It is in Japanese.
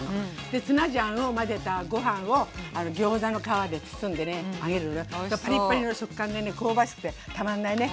でツナジャンを混ぜたご飯をギョーザの皮で包んでね揚げるとパリッパリの食感でね香ばしくてたまんないね。